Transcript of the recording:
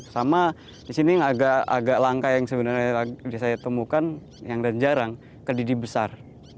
sama di sini agak langka yang sebenarnya saya temukan yang jarang kedidi besar